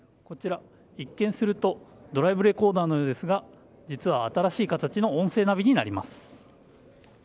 こちら、一見するとドライブレコーダーのようですが実は新しい形の音声ナビになります。